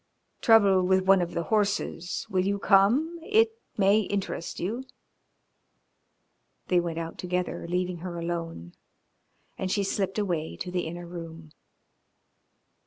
"Trouble with one of the horses. Will you come? It may interest you." They went out together, leaving her alone, and she slipped away to the inner room.